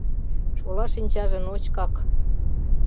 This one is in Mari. Шола шинчаже ночкак.